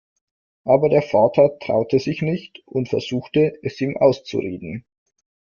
Aber der Vater traute sich nicht und versuchte, es ihm auszureden.